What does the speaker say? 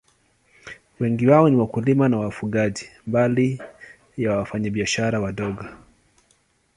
Wengi wao ni wakulima na wafugaji, mbali ya wafanyabiashara wadogo.